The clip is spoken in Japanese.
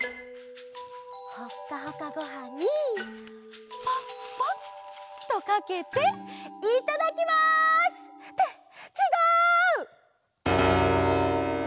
ほっかほかごはんにパッパッとかけていただきます！ってちがう！